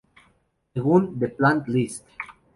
Según "The Plant List"